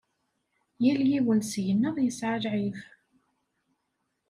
Yal yiwen seg-neɣ yesɛa lɛib.